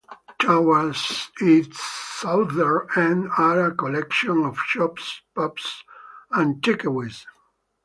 Towards its southern end are a collection of shops, pubs and takeaways.